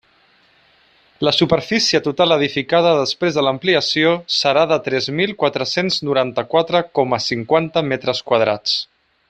La superfície total edificada després de l'ampliació serà de tres mil quatre-cents noranta-quatre coma cinquanta metres quadrats.